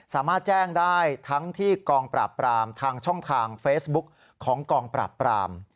สามารถแจ้งได้ทั้งที่กองปราบปรามทางช่องทางเฟซบุ๊กของกองปราบปราม